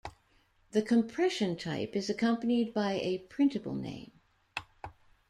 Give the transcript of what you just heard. The compression type is accompanied by a printable name.